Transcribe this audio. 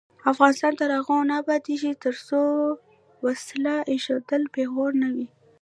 افغانستان تر هغو نه ابادیږي، ترڅو وسله ایښودل پیغور نه وي.